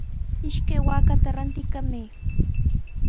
Ishkay waakata rantikamay.